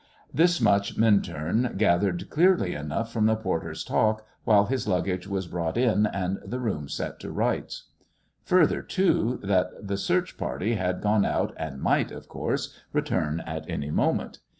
This much Minturn gathered clearly enough from the porter's talk while his luggage was brought in and the room set to rights; further, too, that the search party had gone out and might, of course, return at any moment.